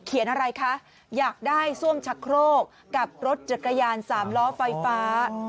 อะไรคะอยากได้ซ่วมชะโครกกับรถจักรยานสามล้อไฟฟ้า